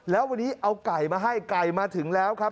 แล้ววันนี้เอาไก่มาให้ไก่มาถึงแล้วครับ